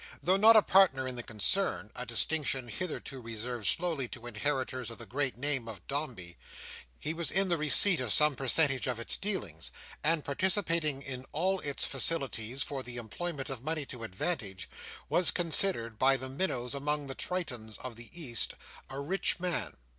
Though not a partner in the concern—a distinction hitherto reserved solely to inheritors of the great name of Dombey—he was in the receipt of some percentage on its dealings; and, participating in all its facilities for the employment of money to advantage, was considered, by the minnows among the tritons of the East, a rich man.